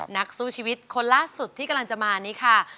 นักสู้ชีวิตคนล่าสุดที่กำลังจะมานี้ค่ะ